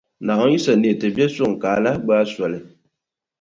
Naawuni yi sa neei ti biɛʼ suŋ ka a lahi gbaai soli.